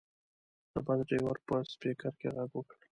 د بس ډریور په سپیکر کې غږ وکړ.